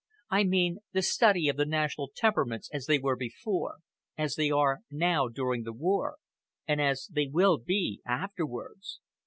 I mean the study of the national temperaments as they were before, as they are now during the war, and as they will be afterwards.